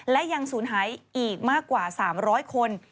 และยังสูญหายอีกมากกว่า๓๐๐คน